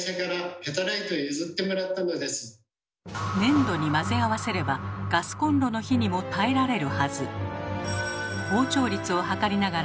粘土に混ぜ合わせればガスコンロの火にも耐えられるはず。